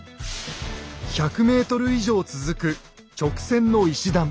１００ｍ以上続く直線の石段。